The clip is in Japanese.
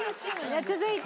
続いて。